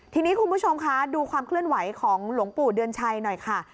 ทีนี้คุณผู้ชมคะดูความเคลื่อนไหวของหลวงปู่เดือนชัยหน่อยค่ะ